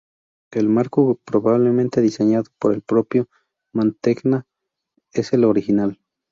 El marco, probablemente diseñado por el propio Mantegna, es el original.